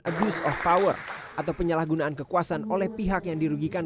abuse of power atau penyalahgunaan kekuasaan oleh pihak yang dirugikan